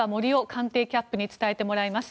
官邸キャップに伝えてもらいます。